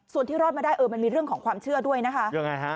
ส่วนที่รอดมาได้มันมีเรื่องของความเชื่อด้วยนะคะ